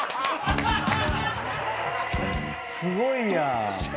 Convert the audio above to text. すごいやん！